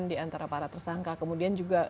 diantara para tersangka kemudian juga